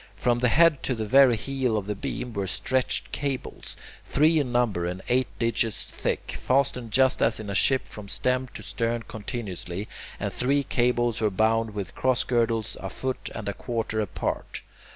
From the head to the very heel of the beam were stretched cables, three in number and eight digits thick, fastened just as in a ship from stem to stern continuously, and these cables were bound with cross girdles a foot and a quarter apart.